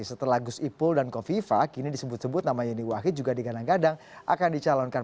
setelah gus ipul dan kofifa kini disebut sebut nama yeni wahid juga digadang gadang akan dicalonkan